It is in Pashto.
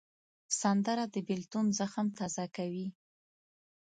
سندره د بېلتون زخم تازه کوي